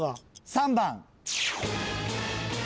３番。